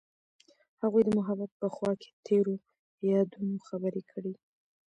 هغوی د محبت په خوا کې تیرو یادونو خبرې کړې.